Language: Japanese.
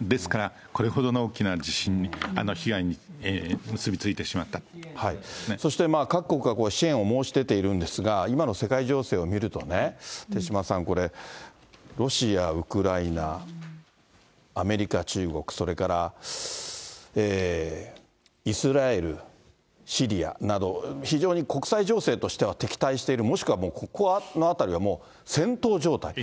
ですから、これほどの大きな地震、そして、各国が支援を申し出ているんですが、今の世界情勢を見るとね、手嶋さん、これ、ロシア、ウクライナ、アメリカ、中国、それからイスラエル、シリアなど、非常に国際情勢としては敵対している、もしくはここのあたりは、戦闘状態。